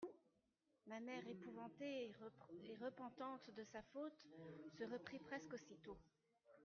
—Vous !… —Ma mère, épouvantée et repentante de sa faute, se reprit presque aussitôt.